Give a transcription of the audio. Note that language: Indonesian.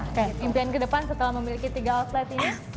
oke impian kedepan setelah memiliki tiga outlet ini